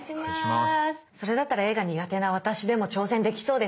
それだったら絵が苦手な私でも挑戦できそうですね。